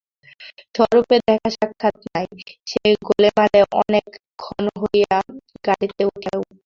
স্বরূপের দেখাসাক্ষাৎ নাই, সে গোলেমালে অনেক ক্ষণ হইল গাড়িতে উঠিয়া পড়িয়াছে।